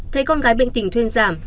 thấy con gái bệnh tình thuyên giảm